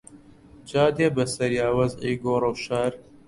جا دێ بەسەریا وەزعی گۆڕەوشار